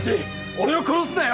俺を殺すなよ！